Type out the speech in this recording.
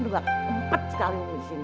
empet sekali umi disini